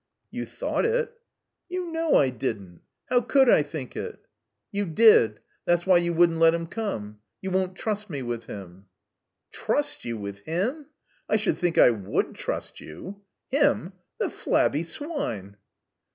"You thought it." "You know I didn't. How could I think it?" "You did. That's why you wouldn't let him come. You won't trust me with him." "Trust you with him? I should think I would trust you. Him! The flabby swine!"